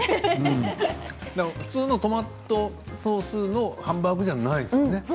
普通のトマトソースのハンバーグではないですよね。